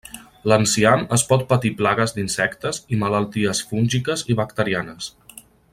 L'enciam es pot patir plagues d'insectes, i malalties fúngiques i bacterianes.